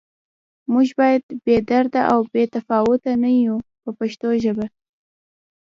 موږ باید بې درده او بې تفاوته نه یو په پښتو ژبه.